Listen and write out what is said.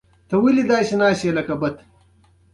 د هیواد راتلونکی ستا په لاس کې دی.